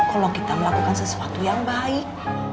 kalau kita melakukan sesuatu yang baik